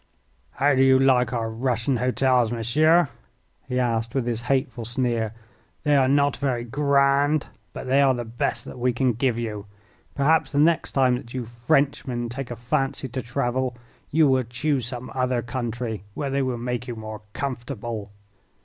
"How do you like our Russian hotels, monsieur?" he asked, with his hateful sneer. "They are not very grand, but they are the best that we can give you. Perhaps the next time that you Frenchmen take a fancy to travel you will choose some other country where they will make you more comfortable."